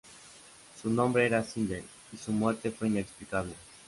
Su nombre era Sindel y su muerte fue inexplicable.